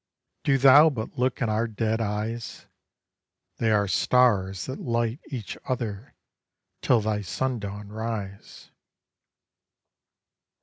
Do thou but look in our dead eyes, They are stars that light each other till thy sundawn rise.